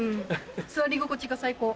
座り心地が最高。